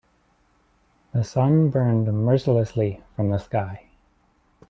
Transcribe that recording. The sun burned mercilessly from the sky.